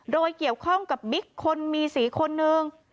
โดยเกี่ยวข้องกับบิ๊กคนมีสีคนหนึ่ง